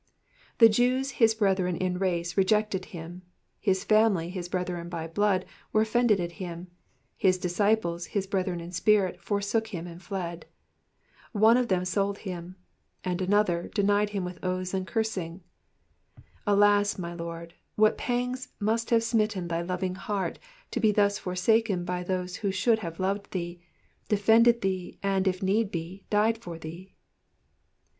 '''' The Jews his brethren in race rejected him, his family his brethren by blood were offended at him, his disciples his brethren in spirit forsook him and fled; one of them sold him, and another denied him with oaths and cursings. Alas, my Lord, what pangs must have smitten thy loving heart to be thus forsaken by those who should have loved thee, defended thee, and, if need be, died for thee.